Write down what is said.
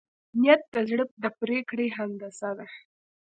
نیت د زړه د پرېکړې هندسه ده.